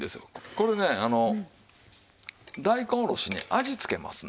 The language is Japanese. これねあの大根おろしに味つけますね。